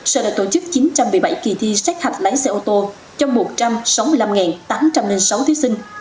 sợ là tổ chức chín trăm một mươi bảy kỳ thi sát hạch lái xe ô tô cho một trăm sáu mươi năm tám trăm linh sáu thí sinh